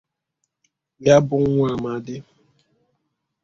ya bụ nwa amadi